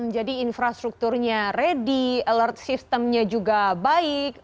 jadi infrastrukturnya ready alert sistemnya juga baik